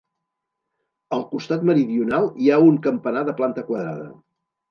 Al costat meridional hi ha un campanar de planta quadrada.